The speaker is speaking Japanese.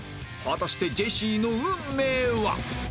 果たしてジェシーの運命は！？